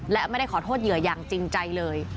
และไม่ได้ขอโทษเหยื่ออย่างจริงใจเลย